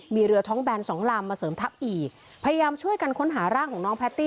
มีเรือท้องแบนสองลำมาเสริมทัพอีกพยายามช่วยกันค้นหาร่างของน้องแพตตี้